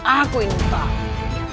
aku ingin tahu